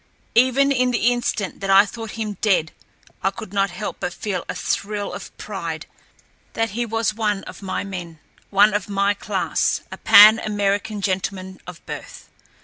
Even in the instant that I thought him dead I could not help but feel a thrill of pride that he was one of my men, one of my class, a Pan American gentleman of birth.